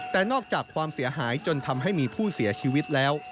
แต่นอกจากความเสียหายจนทำให้มีผู้เสียชีวิตแล้ว